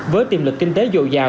với tiềm lực kinh tế dồn dào